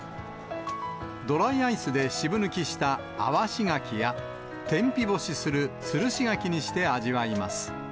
ドライアイスで渋抜きしたあわし柿や、天日干しするつるし柿にして味わいます。